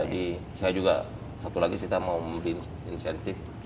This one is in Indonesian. jadi saya juga satu lagi kita mau mendapatkan insentif